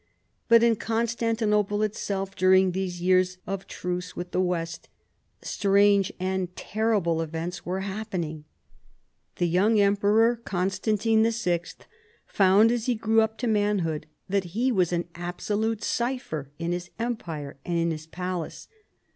But in Constantinople itself during these years of truce with the "West, strange and terrible events were happening. The j^oung Emperor Constantine VI. found as he grew up to manhood that he was an ab solute cipher in his empire and in his palace.